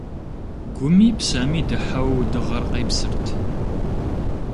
Гуми псэми дыхьэу дыгъэр къепсырт.